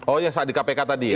oh ya saat di kpk tadi ya